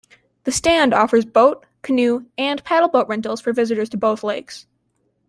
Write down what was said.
The stand offers boat, canoe and paddle-boat rentals for visitors to both lakes.